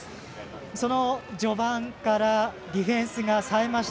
その序盤から、ディフェンスがさえました。